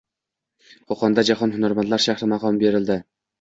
Qo`qonga jahon hunarmandlar shahri maqomi beriladi